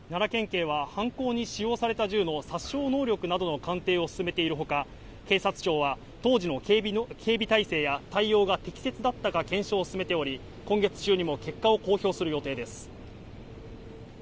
警は犯行に使用された銃の殺傷能力などの鑑定を進めているほか、警察庁は、当時の警備態勢や対応が適切だったか検証を進めており、今月中にも結果を公表する予定です。